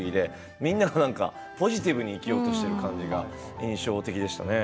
みんながポジティブに生きようとしている感じが印象的でしたね。